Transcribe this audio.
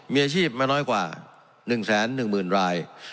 มีอาชีพไม่น้อยกว่า๑แสน๑หมื่นราย